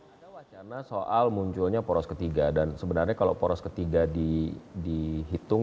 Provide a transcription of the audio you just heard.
ada wacana soal munculnya poros ketiga dan sebenarnya kalau poros ketiga dihitung